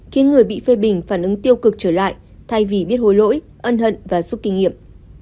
khiến người bị phê bình phản ứng tiêu cực trở lại thay vì biết hồi lỗi ân hận và xúc kinh nghiệm